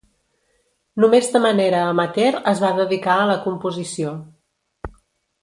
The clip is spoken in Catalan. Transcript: Només de manera amateur es va dedicar a la composició.